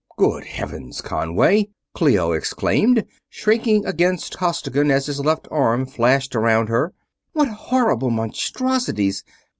"Good Heavens, Conway!" Clio exclaimed, shrinking against Costigan as his left arm flashed around her. "What horrible monstrosities!